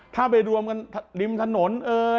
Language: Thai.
ถ้าไปรวมกันริมถนน